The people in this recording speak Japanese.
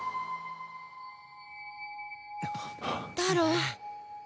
タロウ。